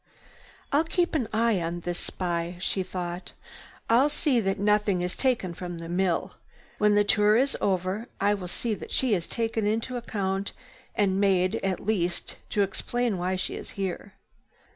"I'll keep an eye on this spy," she thought, "I'll see that nothing is taken from the mill. When the tour is over I will see that she is taken into account and made, at least, to explain why she is here."